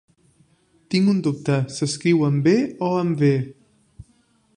Tinc un dubte: s'escriu amb b o amb v?